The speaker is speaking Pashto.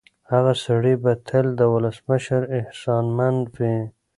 هغه سړی به تل د ولسمشر احسانمن وي.